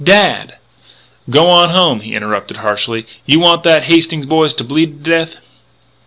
"Dad " "G'wan home!" he interrupted harshly. "You want that Hastings boy to bleed to death?"